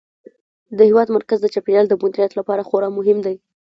د هېواد مرکز د چاپیریال د مدیریت لپاره خورا مهم دی.